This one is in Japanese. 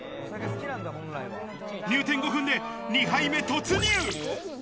入店５分で２杯目突入。